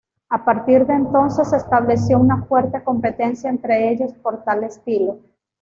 A partir de entonces se estableció una fuerte competencia entre ellos por tal estilo.